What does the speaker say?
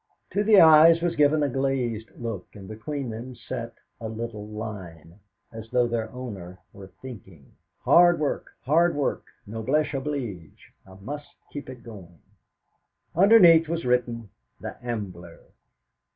To the eyes was given a glazed look, and between them set a little line, as though their owner were thinking: '.ard work, hard work! Noblesse oblige. I must keep it going!' Underneath was written: "The Ambler."